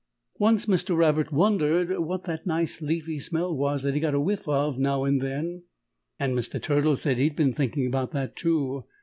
Once Mr. Rabbit wondered what that nice, leafy smell was that he got a whiff of now and then, and Mr. Turtle said he'd been thinking about that, too.